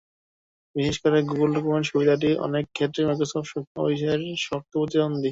বিশেষ করে Google documents সুবিধাটি অনেক ক্ষেত্রেই মাইক্রোসফট অফিসের শক্ত প্রতিদ্বন্দ্বী।